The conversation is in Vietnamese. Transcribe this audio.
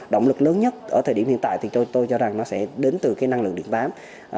động lực lớn nhất ở thời điểm hiện tại thì tôi cho rằng nó sẽ đến từ cái năng lượng điện bán